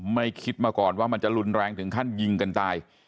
ไม่คิดมาก่อนว่ามันจะรุนแรงถึงขั้นยิงกันตาย